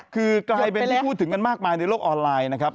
คือกลายเป็นที่พูดถึงกันมากมายในโลกออนไลน์นะครับ